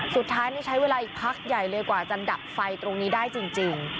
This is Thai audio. สุดท้ายใช้เวลาอีกพักใหญ่เลยกว่าจะดับไฟตรงนี้ได้จริง